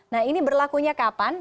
nah ini berlakunya kapan